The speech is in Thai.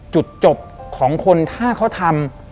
จุดจบของคนถ้าเขาทำ